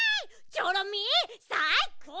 チョロミーさいこう！